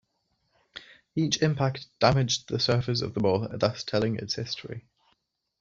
Each impact damaged the surface of the ball, thus telling its history.